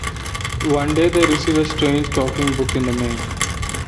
One day they receive a strange talking book in the mail.